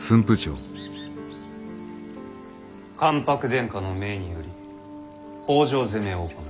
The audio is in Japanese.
関白殿下の命により北条攻めを行う。